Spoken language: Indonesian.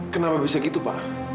kenapa bisa gitu pak